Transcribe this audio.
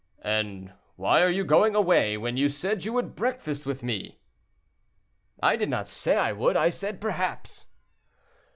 "And why are you going away, when you said you would breakfast with me?" "I did not say I would; I said, perhaps."